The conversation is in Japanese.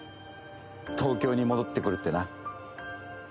東京に戻ってくるってな。